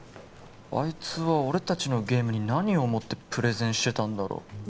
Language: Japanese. あいつは俺達のゲームに何を思ってプレゼンしてたんだろう